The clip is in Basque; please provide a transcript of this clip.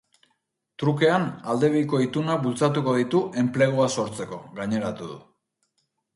Trukean aldebiko itunak bultzatuko ditu enplegua sortzeko, gaineratu du.